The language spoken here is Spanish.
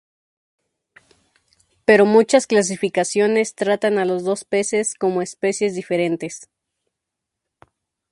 Pero muchas clasificaciones tratan a los dos peces como especies diferentes.